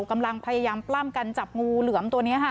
กำลังพยายามปล้ำกันจับงูเหลือมตัวนี้ค่ะ